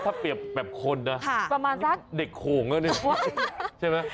ถ้าเปรียบแบบคนนะประมาณสักเด็กโขงแล้วเนี่ยใช่ไหม